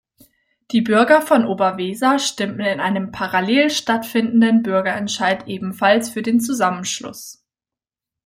Die Bürger von Oberweser stimmten in einem parallel stattfindenden Bürgerentscheid ebenfalls für den Zusammenschluss.